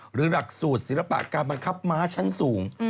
หรือหลักสูตรศิลปะการบังคับม้าชั้นสูง